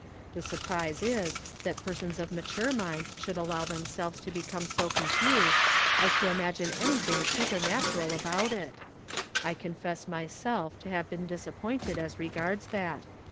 The surprise is, that persons of mature mind should allow themselves to become so confused as to im agine anything supernatural about it I I confess myself to have been disappointed as regards that.